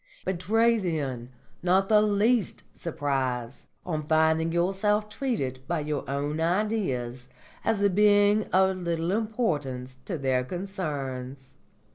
Betray, then, not the least surprise on finding yourself treated by your own Ideas as a being of little importance to their concerns.